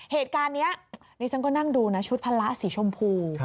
เหตุการณ์นี้นี่ฉันก็นั่งดูนะชุดพละสีชมพู